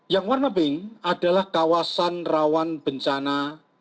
yang warna pink adalah kawasan rawan bencana dua